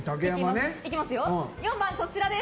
４番、こちらです。